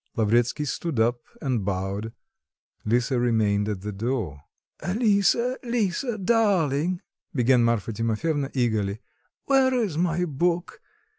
Lavretsky stood up and bowed; Lisa remained at the door. "Lisa, Lisa, darling," began Marfa Timofyevna eagerly, "where is my book?